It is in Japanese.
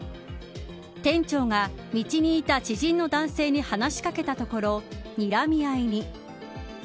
店長が道にいた知人の男性に話し掛けたところにらみ合いに。